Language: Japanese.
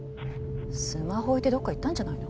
スマホ置いてどっか行ったんじゃないの？